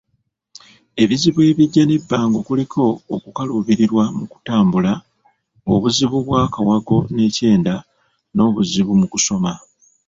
Ebizibu ebijja n'ebbango kuliko okukaluubirirwa mu kutambula, obuzibu bw'akawago n'ekyenda, n'obuzibu mu kusoma